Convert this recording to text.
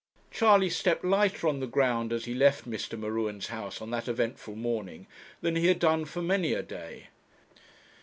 Charley stepped lighter on the ground as he left Mr. M'Ruen's house on that eventful morning than he had done for many a day.